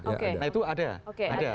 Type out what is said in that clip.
nah itu ada ya